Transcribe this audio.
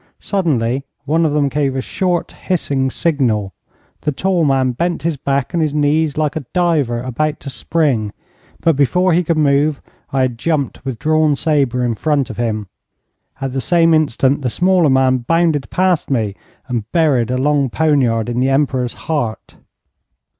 Suddenly one of them gave a short, hissing signal. The tall man bent his back and his knees like a diver about to spring, but before he could move, I had jumped with drawn sabre in front of him. At the same instant the smaller man bounded past me, and buried a long poniard in the Emperor's heart.